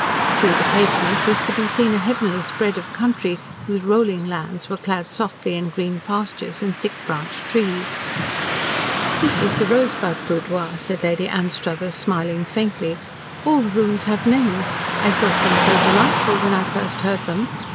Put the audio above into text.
Through the casement was to be seen a heavenly spread of country, whose rolling lands were clad softly in green pastures and thick branched trees. "This is the Rosebud Boudoir," said Lady Anstruthers, smiling faintly. "All the rooms have names. I thought them so delightful, when I first heard them.